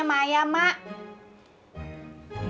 apua nya brandon